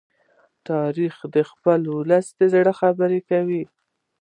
تاریخ د خپل ولس د زړه خبره کوي.